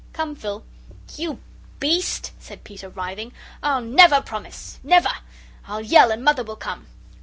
Come, Phil!" "You beast!" said Peter, writhing. "I'll never promise, never. I'll yell, and Mother will come."